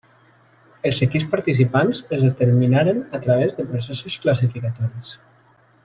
Els equips participants es determinaren a través de processos classificatoris.